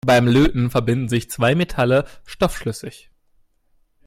Beim Löten verbinden sich zwei Metalle stoffschlüssig.